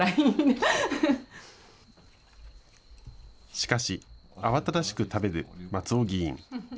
しかし、慌ただしく食べる松尾議員。